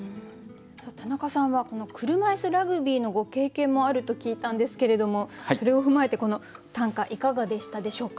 田中さんはこの車いすラグビーのご経験もあると聞いたんですけれどもそれを踏まえてこの短歌いかがでしたでしょうか？